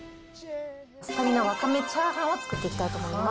スタミナわかめチャーハンを作っていきたいと思います。